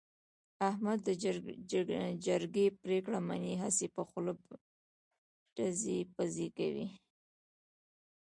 احمد د جرگې پرېکړه مني، هسې په خوله ټزې پزې کوي.